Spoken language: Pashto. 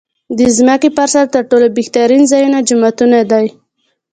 د ځمکې پر سر تر ټولو بهترین ځایونه جوماتونه دی .